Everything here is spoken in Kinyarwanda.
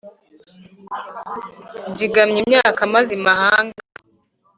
nzigamye imyaka maze imahanga